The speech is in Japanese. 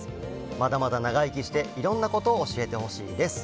まだまだ長生きして、いろんなことを教えてほしいです。